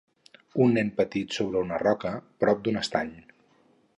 Un nen petit sobre una roca prop d'un estany.